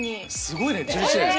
すごいね。